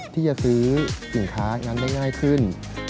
ที่จะซื้อสินค้านั้นได้ง่ายขึ้น